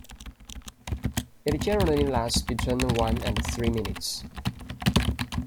It generally lasts between one and three minutes.